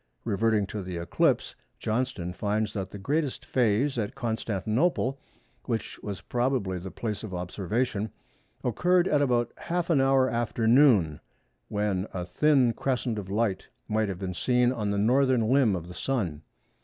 Reverting to the eclipse—Johnston finds that the greatest phase at Constantinople, which was probably the place of observation, occurred at about half an hour after noon, when a thin crescent of light might have been seen on the northern limb of the Sun.